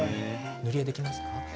塗り絵、できますか。